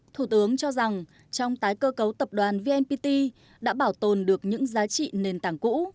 thủ tướng cho rằng trong tái cơ cấu tập đoàn vnpt đã bảo tồn được những giá trị nền tảng cũ